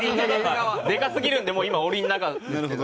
でかすぎるんでもう今檻の中ですけど。